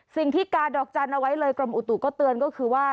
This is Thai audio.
สิ่งที่กาดอกจันทร์เอาไว้เลยกรมอุตุก็เตือนก็คือว่า